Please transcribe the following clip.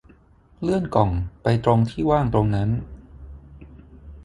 เลื่อนกล่องไปตรงที่ว่างตรงนั้น